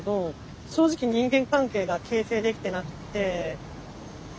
正直人間関係が形成できてなくって。